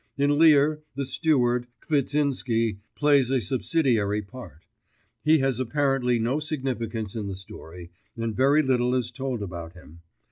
In Lear the steward Kvitsinsky plays a subsidiary part; he has apparently no significance in the story, and very little is told about him.